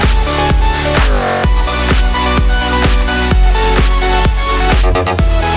สวัสดีครับ